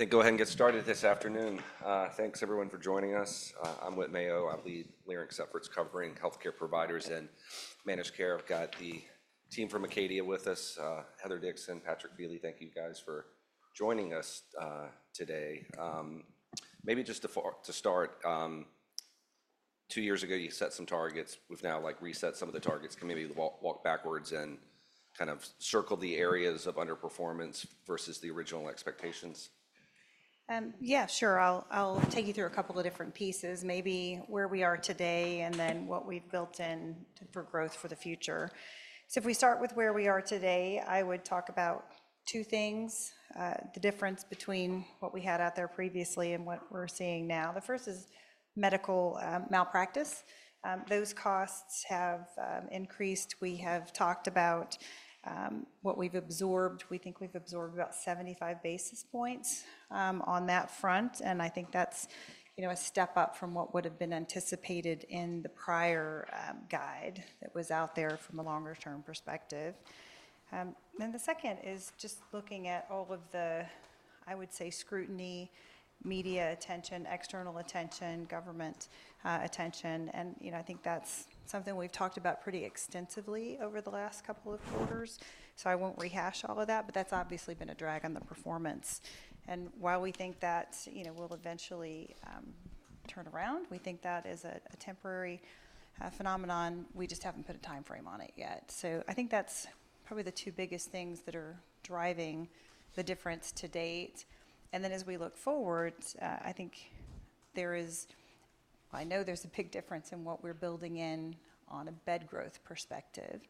All right, we can then go ahead and get started this afternoon. Thanks, everyone, for joining us. I'm Whit Mayo. I lead Leerink's efforts covering healthcare providers and managed care. I've got the team from Acadia with us, Heather Dixon, Patrick Feeley. Thank you, guys, for joining us today. Maybe just to start, two years ago, you set some targets. We've now reset some of the targets. Can maybe walk backwards and kind of circle the areas of underperformance versus the original expectations? Yeah, sure. I'll take you through a couple of different pieces, maybe where we are today and then what we've built in for growth for the future. If we start with where we are today, I would talk about two things: the difference between what we had out there previously and what we're seeing now. The first is medical malpractice. Those costs have increased. We have talked about what we've absorbed. We think we've absorbed about 75 basis points on that front. I think that's a step up from what would have been anticipated in the prior guide that was out there from a longer-term perspective. The second is just looking at all of the, I would say, scrutiny, media attention, external attention, government attention. I think that's something we've talked about pretty extensively over the last couple of quarters. I won't rehash all of that, but that's obviously been a drag on the performance. While we think that we'll eventually turn around, we think that is a temporary phenomenon. We just haven't put a timeframe on it yet. I think that's probably the two biggest things that are driving the difference to date. As we look forward, I think there is, I know there's a big difference in what we're building in on a bed growth perspective.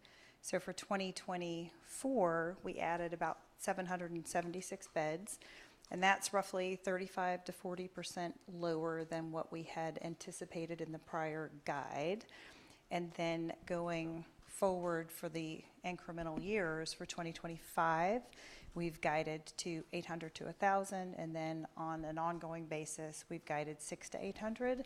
For 2024, we added about 776 beds, and that's roughly 35%-40% lower than what we had anticipated in the prior guide. Going forward for the incremental years for 2025, we've guided to 800-1,000. On an ongoing basis, we've guided 600-800.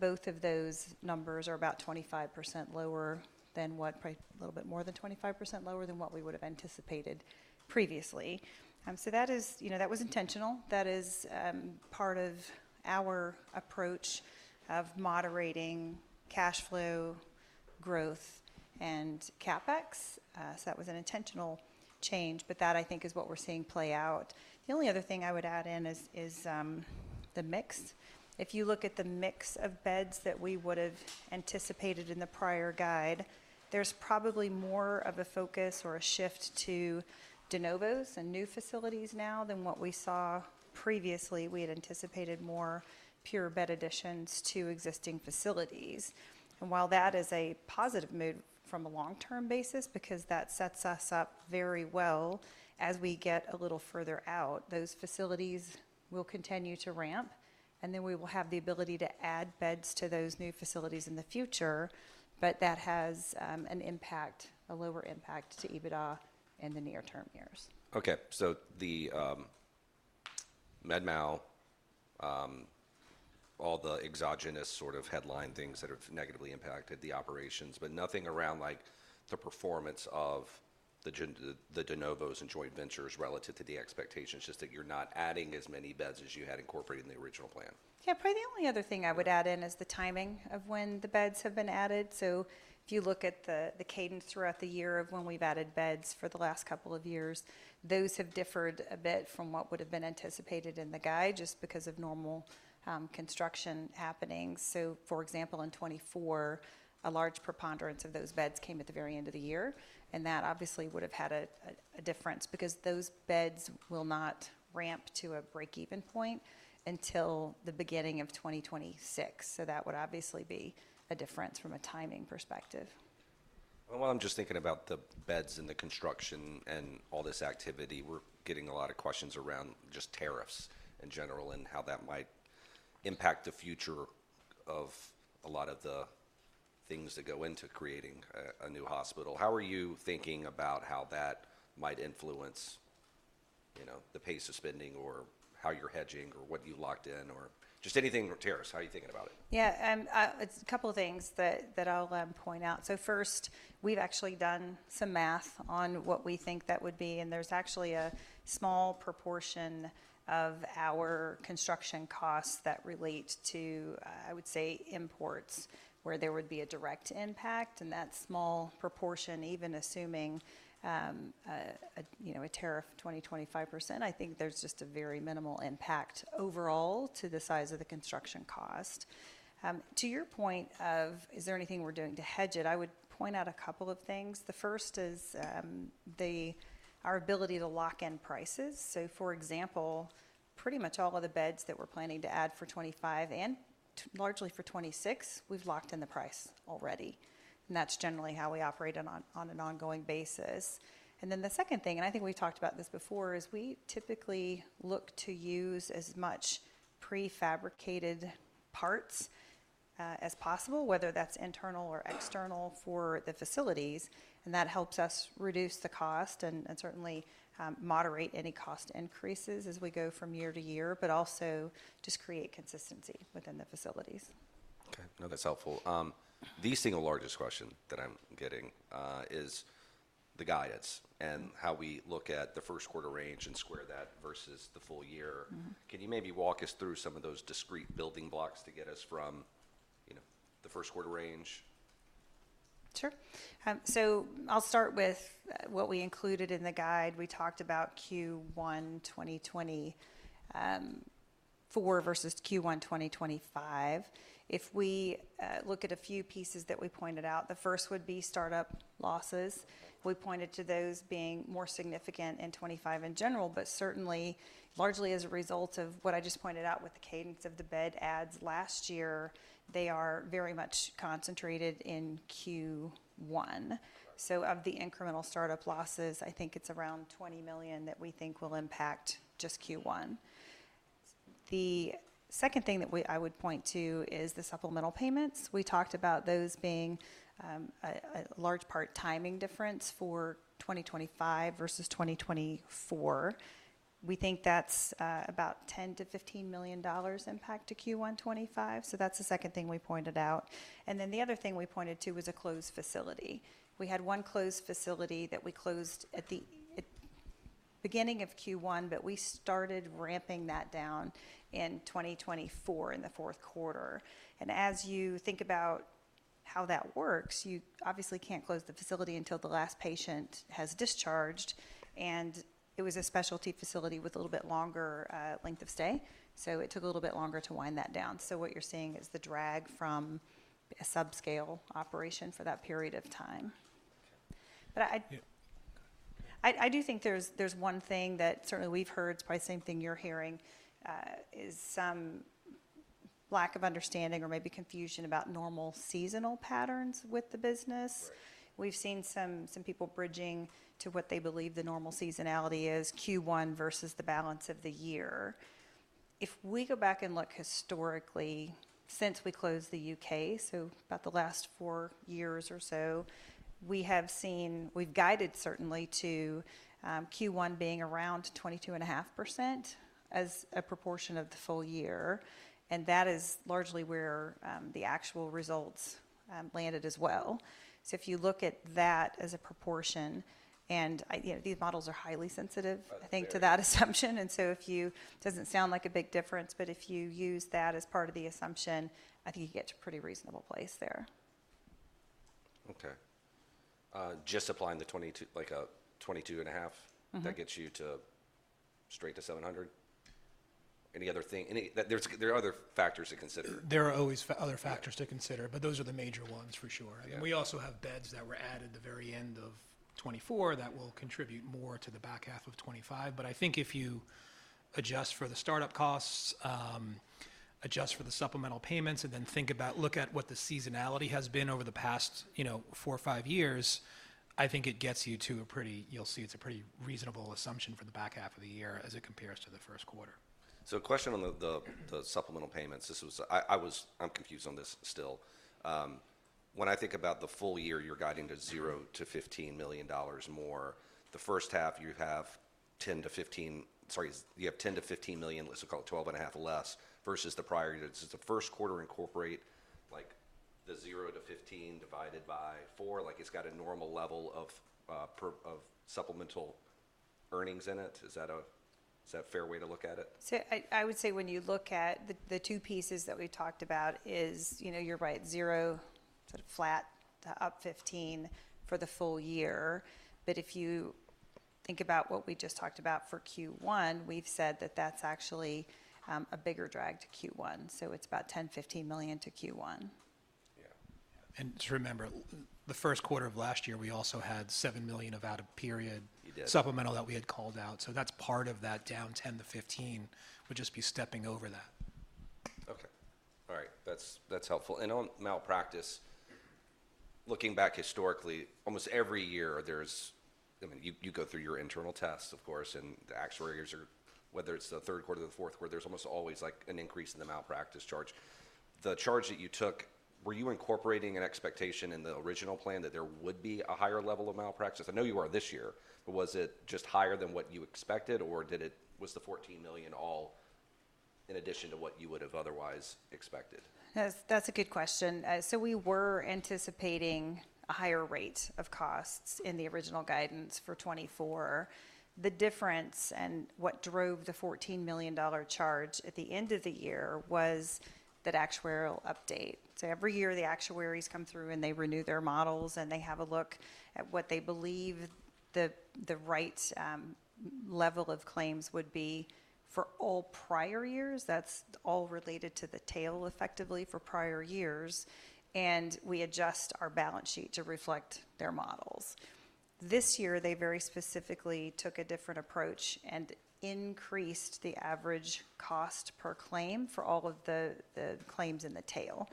Both of those numbers are about 25% lower than what, a little bit more than 25% lower than what we would have anticipated previously. That was intentional. That is part of our approach of moderating cash flow growth and CapEx. That was an intentional change, but that, I think, is what we're seeing play out. The only other thing I would add in is the mix. If you look at the mix of beds that we would have anticipated in the prior guide, there's probably more of a focus or a shift to de novos and new facilities now than what we saw previously. We had anticipated more pure bed additions to existing facilities. While that is a positive move from a long-term basis, because that sets us up very well as we get a little further out, those facilities will continue to ramp, and then we will have the ability to add beds to those new facilities in the future. That has an impact, a lower impact to EBITDA in the near-term years. Okay. The med mal, all the exogenous sort of headline things that have negatively impacted the operations, but nothing around the performance of the de novos and joint ventures relative to the expectations, just that you're not adding as many beds as you had incorporated in the original plan. Yeah, probably the only other thing I would add in is the timing of when the beds have been added. If you look at the cadence throughout the year of when we've added beds for the last couple of years, those have differed a bit from what would have been anticipated in the guide just because of normal construction happening. For example, in 2024, a large preponderance of those beds came at the very end of the year. That obviously would have had a difference because those beds will not ramp to a break-even point until the beginning of 2026. That would obviously be a difference from a timing perspective. While I'm just thinking about the beds and the construction and all this activity, we're getting a lot of questions around just tariffs in general and how that might impact the future of a lot of the things that go into creating a new hospital. How are you thinking about how that might influence the pace of spending or how you're hedging or what you've locked in or just anything tariffs? How are you thinking about it? Yeah, it's a couple of things that I'll point out. First, we've actually done some math on what we think that would be. There's actually a small proportion of our construction costs that relate to, I would say, imports where there would be a direct impact. That small proportion, even assuming a tariff of 20%-25%, I think there's just a very minimal impact overall to the size of the construction cost. To your point of, is there anything we're doing to hedge it, I would point out a couple of things. The first is our ability to lock in prices. For example, pretty much all of the beds that we're planning to add for 2025 and largely for 2026, we've locked in the price already. That's generally how we operate on an ongoing basis. The second thing, and I think we've talked about this before, is we typically look to use as much prefabricated parts as possible, whether that's internal or external for the facilities. That helps us reduce the cost and certainly moderate any cost increases as we go from year to year, but also just create consistency within the facilities. Okay. That's helpful. The single largest question that I'm getting is the guidance and how we look at the first quarter range and square that versus the full year. Can you maybe walk us through some of those discrete building blocks to get us from the first quarter range? Sure. I'll start with what we included in the guide. We talked about Q1 2024 versus Q1 2025. If we look at a few pieces that we pointed out, the first would be startup losses. We pointed to those being more significant in 2025 in general, but certainly largely as a result of what I just pointed out with the cadence of the bed adds last year, they are very much concentrated in Q1. Of the incremental startup losses, I think it's around $20 million that we think will impact just Q1. The second thing that I would point to is the supplemental payments. We talked about those being a large part timing difference for 2025 versus 2024. We think that's about $10-$15 million impact to Q1 2025. That's the second thing we pointed out. The other thing we pointed to was a closed facility. We had one closed facility that we closed at the beginning of Q1, but we started ramping that down in 2024 in the fourth quarter. As you think about how that works, you obviously can't close the facility until the last patient has discharged. It was a specialty facility with a little bit longer length of stay. It took a little bit longer to wind that down. What you're seeing is the drag from a subscale operation for that period of time. I do think there's one thing that certainly we've heard, it's probably the same thing you're hearing, is some lack of understanding or maybe confusion about normal seasonal patterns with the business. We've seen some people bridging to what they believe the normal seasonality is, Q1 versus the balance of the year. If we go back and look historically since we closed the U.K., so about the last four years or so, we have seen, we've guided certainly to Q1 being around 22.5% as a proportion of the full year. That is largely where the actual results landed as well. If you look at that as a proportion, and these models are highly sensitive, I think, to that assumption. It doesn't sound like a big difference, but if you use that as part of the assumption, I think you get to a pretty reasonable place there. Okay. Just applying the 22.5, that gets you straight to 700? Any other thing? There are other factors to consider. There are always other factors to consider, but those are the major ones for sure. We also have beds that were added at the very end of 2024 that will contribute more to the back half of 2025. I think if you adjust for the startup costs, adjust for the supplemental payments, and then think about, look at what the seasonality has been over the past four or five years, I think it gets you to a pretty, you'll see it's a pretty reasonable assumption for the back half of the year as it compares to the first quarter. A question on the supplemental payments. I'm confused on this still. When I think about the full year, you're guiding to $0-$15 million more. The first half, you have $10-$15 million, let's call it $12.5 million less versus the prior year. Does the first quarter incorporate the $0-$15 million divided by four? It's got a normal level of supplemental earnings in it. Is that a fair way to look at it? I would say when you look at the two pieces that we talked about, you're right, $0 to $15 million for the full year. If you think about what we just talked about for Q1, we've said that that's actually a bigger drag to Q1. It's about $10-$15 million to Q1. Yeah. To remember, the first quarter of last year, we also had $7 million of out-of-period supplemental that we had called out. That is part of that down $10-$15 would just be stepping over that. Okay. All right. That's helpful. On malpractice, looking back historically, almost every year there's, I mean, you go through your internal tests, of course, and the actuaries, whether it's the third quarter or the fourth quarter, there's almost always an increase in the malpractice charge. The charge that you took, were you incorporating an expectation in the original plan that there would be a higher level of malpractice? I know you are this year, but was it just higher than what you expected, or was the $14 million all in addition to what you would have otherwise expected? That's a good question. We were anticipating a higher rate of costs in the original guidance for 2024. The difference and what drove the $14 million charge at the end of the year was that actuarial update. Every year the actuaries come through and they renew their models and they have a look at what they believe the right level of claims would be for all prior years. That's all related to the tail effectively for prior years. We adjust our balance sheet to reflect their models. This year, they very specifically took a different approach and increased the average cost per claim for all of the claims in the tail.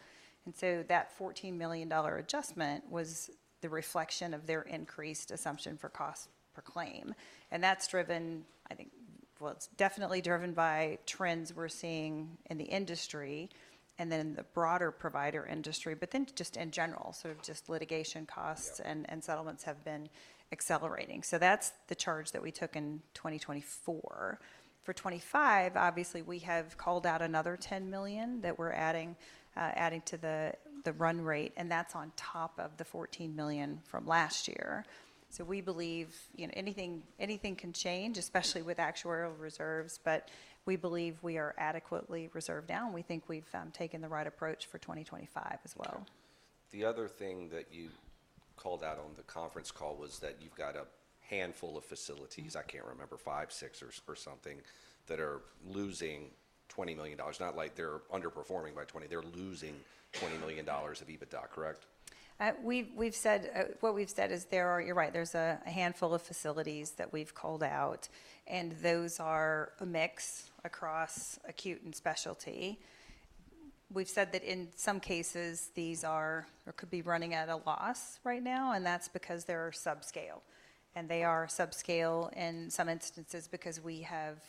That $14 million adjustment was the reflection of their increased assumption for cost per claim. That is driven, I think, it is definitely driven by trends we are seeing in the industry and then in the broader provider industry, but then just in general, sort of just litigation costs and settlements have been accelerating. That is the charge that we took in 2024. For 2025, obviously, we have called out another $10 million that we are adding to the run rate, and that is on top of the $14 million from last year. We believe anything can change, especially with actuarial reserves, but we believe we are adequately reserved now, and we think we have taken the right approach for 2025 as well. The other thing that you called out on the conference call was that you've got a handful of facilities, I can't remember, five, six or something, that are losing $20 million. Not like they're underperforming by $20 million. They're losing $20 million of EBITDA, correct? What we've said is there are, you're right, there's a handful of facilities that we've called out, and those are a mix across acute and specialty. We've said that in some cases, these could be running at a loss right now, and that's because they're subscale. They are subscale in some instances because we have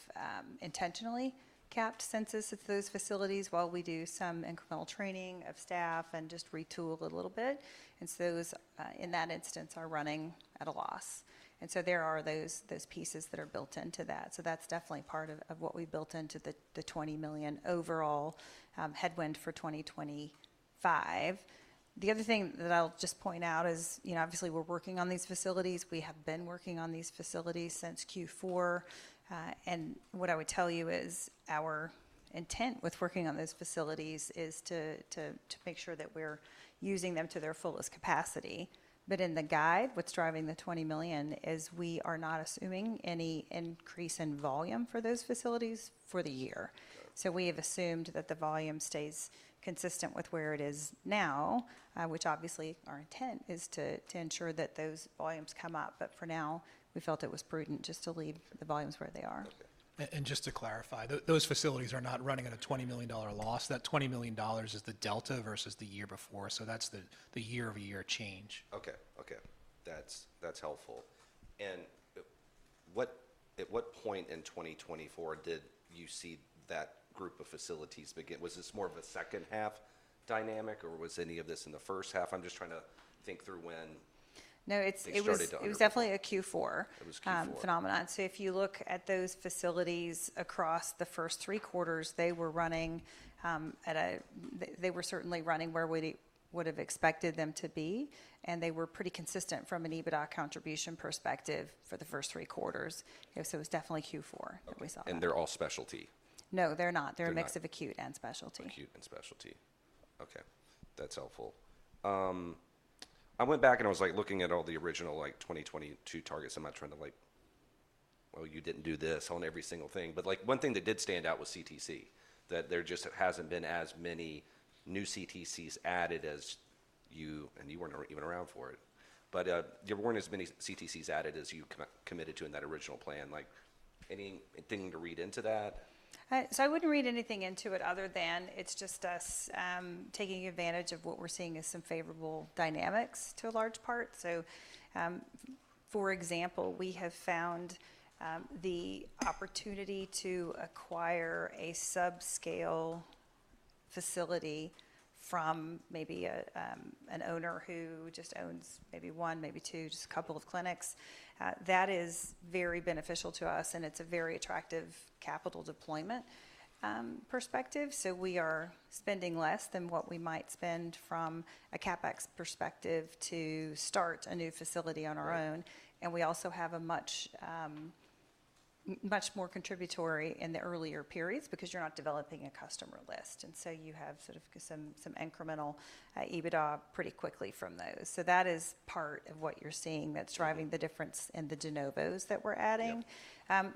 intentionally capped census at those facilities while we do some incremental training of staff and just retool a little bit. In that instance, they are running at a loss. There are those pieces that are built into that. That is definitely part of what we built into the $20 million overall headwind for 2025. The other thing that I'll just point out is, obviously, we're working on these facilities. We have been working on these facilities since Q4. What I would tell you is our intent with working on those facilities is to make sure that we're using them to their fullest capacity. In the guide, what's driving the $20 million is we are not assuming any increase in volume for those facilities for the year. We have assumed that the volume stays consistent with where it is now, which obviously our intent is to ensure that those volumes come up. For now, we felt it was prudent just to leave the volumes where they are. Just to clarify, those facilities are not running at a $20 million loss. That $20 million is the delta versus the year before. That is the year-over-year change. Okay. Okay. That's helpful. At what point in 2024 did you see that group of facilities begin? Was this more of a second-half dynamic, or was any of this in the first half? I'm just trying to think through when it started to. No, it was definitely a Q4 phenomenon. If you look at those facilities across the first three quarters, they were running at a, they were certainly running where we would have expected them to be. They were pretty consistent from an EBITDA contribution perspective for the first three quarters. It was definitely Q4 that we saw. They're all specialty? No, they're not. They're a mix of acute and specialty. Acute and specialty. Okay. That's helpful. I went back and I was looking at all the original 2022 targets. I'm not trying to like, well, you didn't do this on every single thing. But one thing that did stand out was CTC, that there just hasn't been as many new CTCs added as you, and you weren't even around for it. But there weren't as many CTCs added as you committed to in that original plan. Anything to read into that? I would not read anything into it other than it is just us taking advantage of what we are seeing as some favorable dynamics to a large part. For example, we have found the opportunity to acquire a subscale facility from maybe an owner who just owns maybe one, maybe two, just a couple of clinics. That is very beneficial to us, and it is a very attractive capital deployment perspective. We are spending less than what we might spend from a CapEx perspective to start a new facility on our own. We also have a much more contributory in the earlier periods because you are not developing a customer list. You have sort of some incremental EBITDA pretty quickly from those. That is part of what you are seeing that is driving the difference in the de novos that we are adding.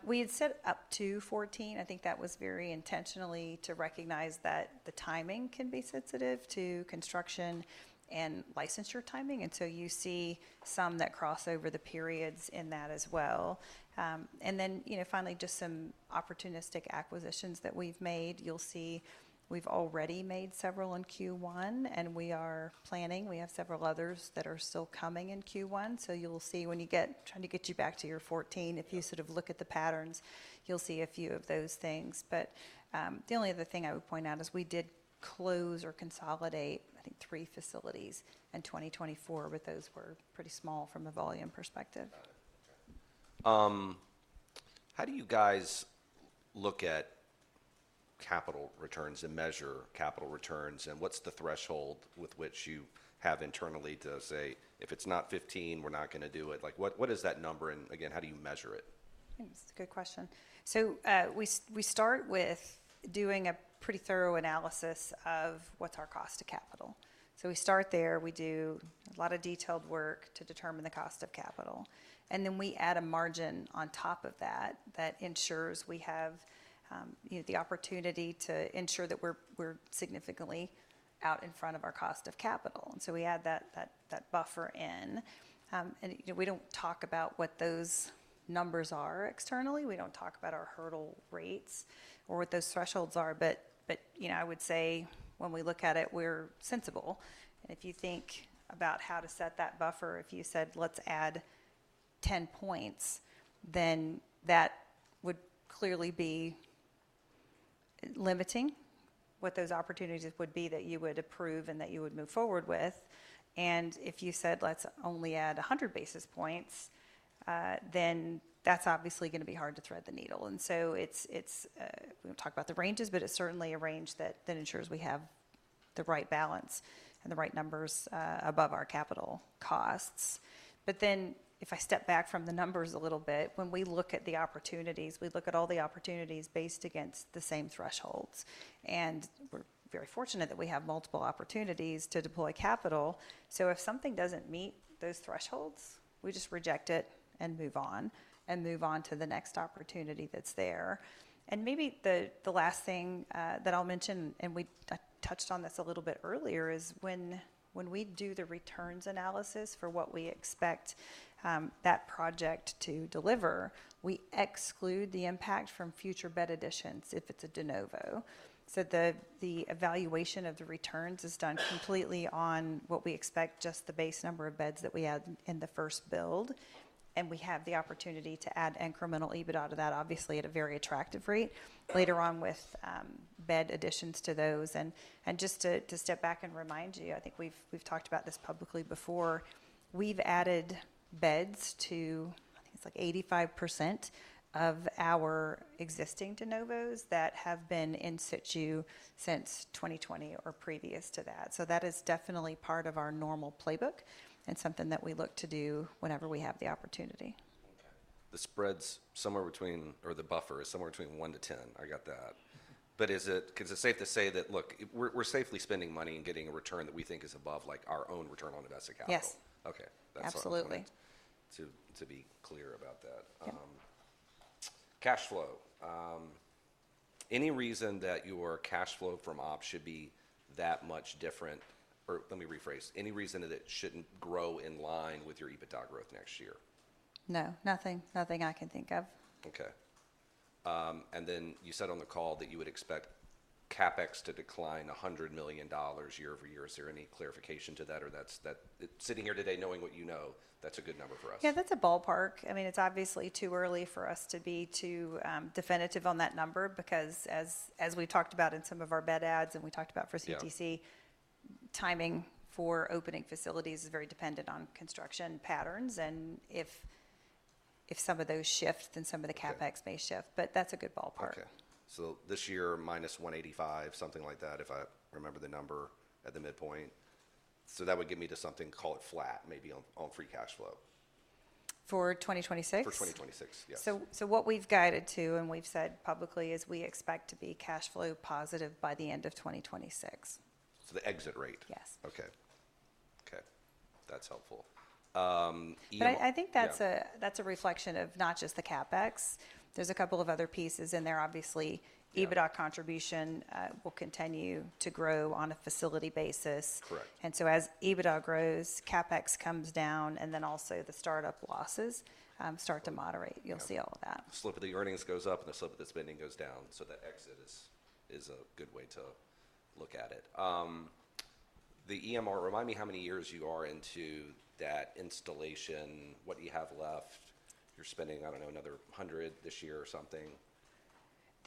We had set up to $14. I think that was very intentionally to recognize that the timing can be sensitive to construction and licensure timing. You see some that cross over the periods in that as well. Finally, just some opportunistic acquisitions that we've made. You'll see we've already made several in Q1, and we are planning. We have several others that are still coming in Q1. You'll see when you get trying to get you back to your $14, if you sort of look at the patterns, you'll see a few of those things. The only other thing I would point out is we did close or consolidate, I think, three facilities in 2024, but those were pretty small from a volume perspective. Got it. Okay. How do you guys look at capital returns and measure capital returns, and what's the threshold with which you have internally to say, "If it's not $15, we're not going to do it"? What is that number? Again, how do you measure it? That's a good question. We start with doing a pretty thorough analysis of what's our cost of capital. We start there. We do a lot of detailed work to determine the cost of capital. Then we add a margin on top of that that ensures we have the opportunity to ensure that we're significantly out in front of our cost of capital. We add that buffer in. We don't talk about what those numbers are externally. We don't talk about our hurdle rates or what those thresholds are. I would say when we look at it, we're sensible. If you think about how to set that buffer, if you said, "Let's add 10 points," that would clearly be limiting what those opportunities would be that you would approve and that you would move forward with. If you said, "Let's only add 100 basis points," then that's obviously going to be hard to thread the needle. We do not talk about the ranges, but it's certainly a range that ensures we have the right balance and the right numbers above our capital costs. If I step back from the numbers a little bit, when we look at the opportunities, we look at all the opportunities based against the same thresholds. We are very fortunate that we have multiple opportunities to deploy capital. If something does not meet those thresholds, we just reject it and move on to the next opportunity that's there. Maybe the last thing that I'll mention, and I touched on this a little bit earlier, is when we do the returns analysis for what we expect that project to deliver, we exclude the impact from future bed additions if it's a de novo. The evaluation of the returns is done completely on what we expect, just the base number of beds that we had in the first build. We have the opportunity to add incremental EBITDA to that, obviously, at a very attractive rate later on with bed additions to those. Just to step back and remind you, I think we've talked about this publicly before. We've added beds to, I think it's like 85% of our existing de novos that have been in situ since 2020 or previous to that. That is definitely part of our normal playbook and something that we look to do whenever we have the opportunity. Okay. The spread's somewhere between, or the buffer is somewhere between 1-10. I got that. Is it safe to say that, "Look, we're safely spending money and getting a return that we think is above our own return on invested capital"? Yes. Okay. That's what I'm hearing. Absolutely. To be clear about that. Cash flow. Any reason that your cash flow from ops should be that much different? Or let me rephrase. Any reason that it shouldn't grow in line with your EBITDA growth next year? No. Nothing. Nothing I can think of. Okay. You said on the call that you would expect CapEx to decline $100 million year over year. Is there any clarification to that? Or sitting here today, knowing what you know, that's a good number for us. Yeah, that's a ballpark. I mean, it's obviously too early for us to be too definitive on that number because, as we've talked about in some of our bed ads and we talked about for CTC, timing for opening facilities is very dependent on construction patterns. If some of those shift, then some of the CapEx may shift. But that's a good ballpark. Okay. This year, minus $185, something like that, if I remember the number at the midpoint. That would get me to something, call it flat, maybe on free cash flow. For 2026? For 2026, yes. What we've guided to and we've said publicly is we expect to be cash flow positive by the end of 2026. The exit rate? Yes. Okay. Okay. That's helpful. I think that's a reflection of not just the CapEx. There's a couple of other pieces in there. Obviously, EBITDA contribution will continue to grow on a facility basis. As EBITDA grows, CapEx comes down, and then also the startup losses start to moderate. You'll see all of that. The slope of the earnings goes up and the slope of the spending goes down. That exit is a good way to look at it. The EMR, remind me how many years you are into that installation. What do you have left? You're spending, I don't know, another $100 million this year or something.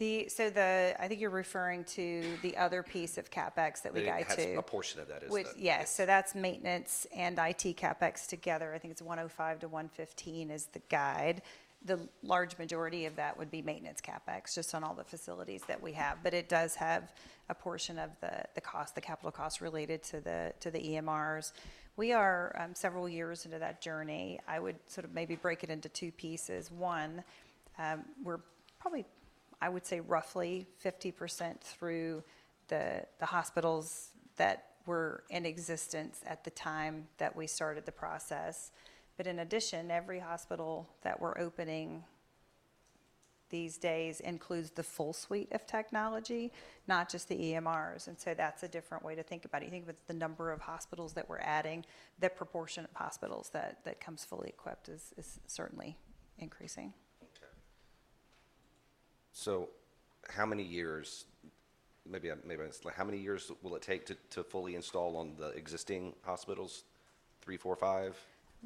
I think you're referring to the other piece of CapEx that we guide to. A portion of that is what? Yes. That's maintenance and IT CapEx together. I think it's $105-$115 is the guide. The large majority of that would be maintenance CapEx just on all the facilities that we have. It does have a portion of the cost, the capital cost related to the EMRs. We are several years into that journey. I would sort of maybe break it into two pieces. One, we're probably, I would say, roughly 50% through the hospitals that were in existence at the time that we started the process. In addition, every hospital that we're opening these days includes the full suite of technology, not just the EMRs. That's a different way to think about it. You think of the number of hospitals that we're adding, the proportion of hospitals that comes fully equipped is certainly increasing. Okay. How many years? Maybe I miss. How many years will it take to fully install on the existing hospitals? Three, four, five?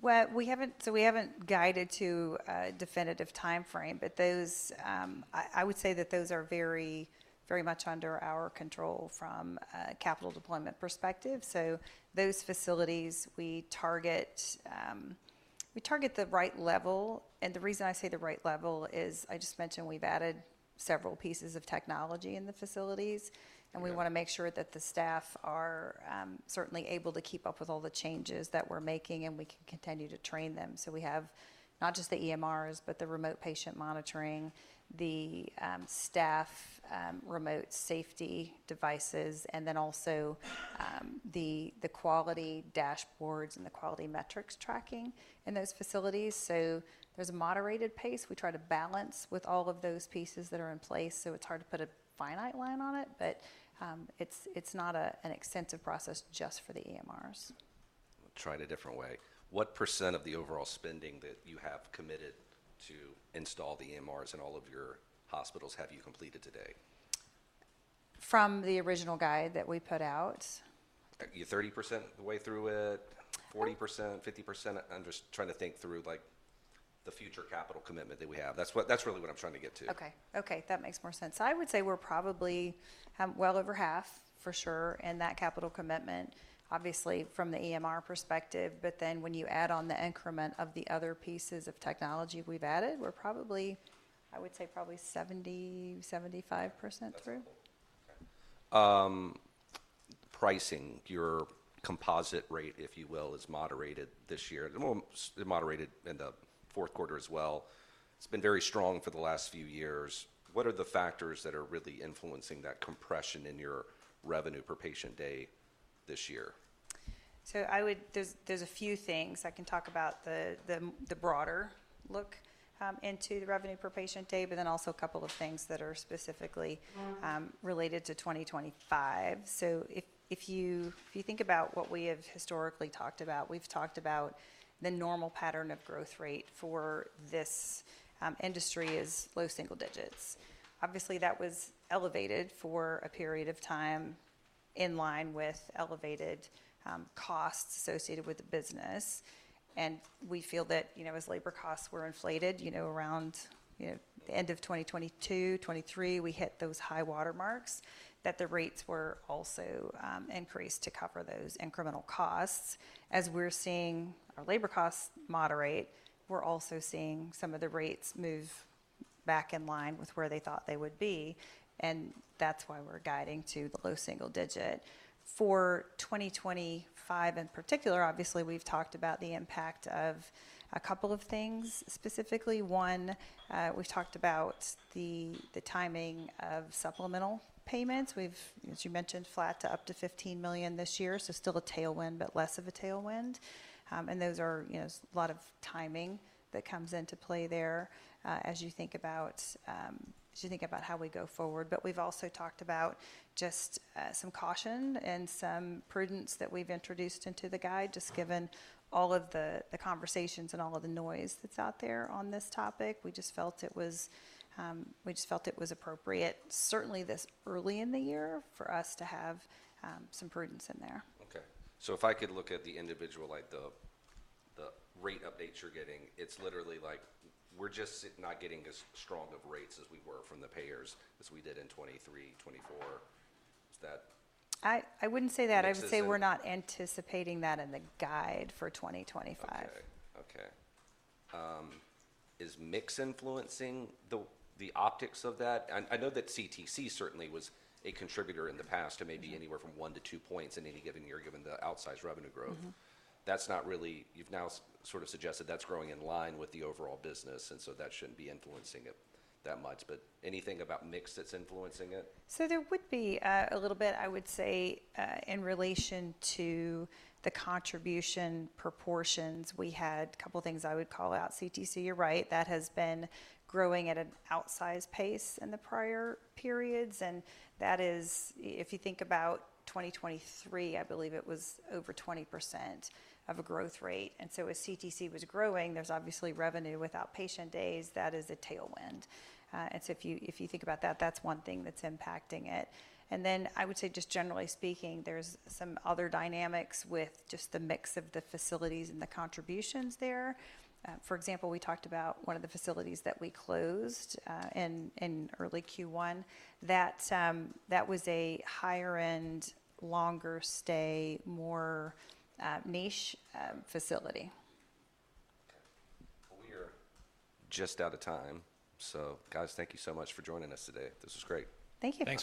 We have not guided to a definitive timeframe, but I would say that those are very, very much under our control from a capital deployment perspective. Those facilities, we target the right level. The reason I say the right level is I just mentioned we have added several pieces of technology in the facilities, and we want to make sure that the staff are certainly able to keep up with all the changes that we are making and we can continue to train them. We have not just the EMRs, but the remote patient monitoring, the staff remote safety devices, and then also the quality dashboards and the quality metrics tracking in those facilities. There is a moderated pace. We try to balance with all of those pieces that are in place. It's hard to put a finite line on it, but it's not an extensive process just for the EMRs. I'll try it a different way. What % of the overall spending that you have committed to install the EMRs in all of your hospitals have you completed today? From the original guide that we put out? 30% the way through it, 40%, 50%? I'm just trying to think through the future capital commitment that we have. That's really what I'm trying to get to. Okay. Okay. That makes more sense. I would say we're probably well over half for sure in that capital commitment, obviously from the EMR perspective. But then when you add on the increment of the other pieces of technology we've added, we're probably, I would say probably 70-75% through. That's helpful. Okay. Pricing. Your composite rate, if you will, is moderated this year. It moderated in the fourth quarter as well. It's been very strong for the last few years. What are the factors that are really influencing that compression in your revenue per patient day this year? There are a few things. I can talk about the broader look into the revenue per patient day, but then also a couple of things that are specifically related to 2025. If you think about what we have historically talked about, we've talked about the normal pattern of growth rate for this industry is low single digits. Obviously, that was elevated for a period of time in line with elevated costs associated with the business. We feel that as labor costs were inflated around the end of 2022, 2023, we hit those high watermarks that the rates were also increased to cover those incremental costs. As we're seeing our labor costs moderate, we're also seeing some of the rates move back in line with where they thought they would be. That's why we're guiding to the low single digit. For 2025 in particular, obviously, we've talked about the impact of a couple of things. Specifically, one, we've talked about the timing of supplemental payments. We've, as you mentioned, flat to up to $15 million this year. Still a tailwind, but less of a tailwind. Those are a lot of timing that comes into play there as you think about how we go forward. We've also talked about just some caution and some prudence that we've introduced into the guide. Just given all of the conversations and all of the noise that's out there on this topic, we just felt it was appropriate, certainly this early in the year, for us to have some prudence in there. Okay. If I could look at the individual, like the rate updates you're getting, it's literally like we're just not getting as strong of rates as we were from the payers as we did in 2023, 2024. Is that? I wouldn't say that. I would say we're not anticipating that in the guide for 2025. Okay. Okay. Is mix influencing the optics of that? I know that CTC certainly was a contributor in the past to maybe anywhere from one to two points in any given year, given the outsized revenue growth. That's not really, you've now sort of suggested that's growing in line with the overall business, and so that shouldn't be influencing it that much. Anything about mix that's influencing it? There would be a little bit, I would say, in relation to the contribution proportions. We had a couple of things I would call out. CTC, you're right. That has been growing at an outsized pace in the prior periods. That is, if you think about 2023, I believe it was over 20% of a growth rate. As CTC was growing, there's obviously revenue with outpatient days. That is a tailwind. If you think about that, that's one thing that's impacting it. I would say just generally speaking, there's some other dynamics with just the mix of the facilities and the contributions there. For example, we talked about one of the facilities that we closed in early Q1. That was a higher-end, longer-stay, more niche facility. Okay. We are just out of time. So guys, thank you so much for joining us today. This was great. Thank you.